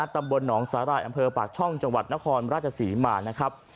ตำบลหนองสาหร่ายอำเภอปากช่องจังหวัดนครราชศรีมานะครับ